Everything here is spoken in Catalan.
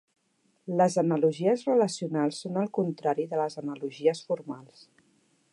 Les analogies relacionals són el contrari de les analogies formals.